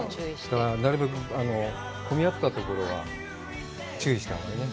なるべく混み合ったところは注意しないとね。